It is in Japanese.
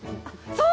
そう！